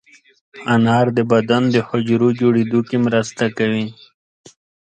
انار د بدن د حجرو جوړېدو کې مرسته کوي.